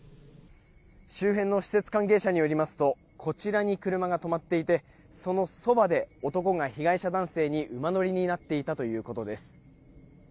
周辺の施設関係者によりますとこちらに車が止まっていてそのそばで男が被害者男性に馬乗りになっていたということです。